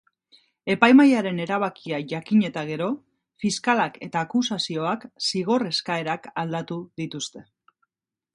Epaimahaiaren erabakia jakin eta gero, fiskalak eta akusazioak zigor eskaerak aldatu dituzte.